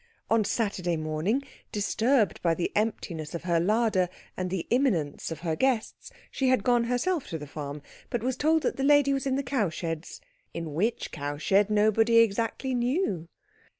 On Saturday morning, disturbed by the emptiness of her larder and the imminence of her guests, she had gone herself to the farm, but was told that the lady was in the cow sheds in which cow shed nobody exactly knew.